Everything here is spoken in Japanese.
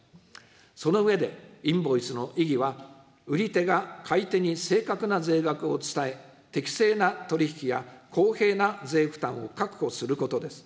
その上で、インボイスの意義は、売り手が買い手に正確な税額を伝え、適正な取り引きや公平な税負担を確保することです。